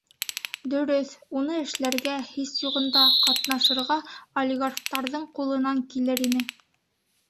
Дөрөҫ, уны эшләргә, һис юғында, ҡатнашырға олигархтарҙың ҡулынан килер ине.